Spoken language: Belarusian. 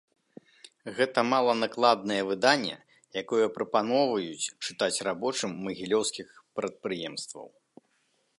Гэта маланакладнае выданне, якое прапаноўваюць чытаць рабочым магілёўскіх прадпрыемстваў.